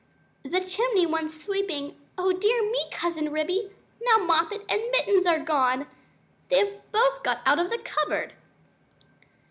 "The chimney wants sweeping Oh, dear me, Cousin Ribby now Moppet and Mittens are gone! "They have both got out of the cupboard!"